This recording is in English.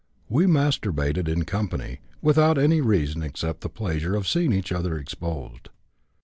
We masturbated in company, without any reason except the pleasure of seeing each other exposed.